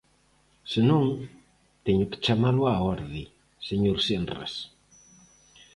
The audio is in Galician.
Se non, teño que chamalo á orde, señor Senras.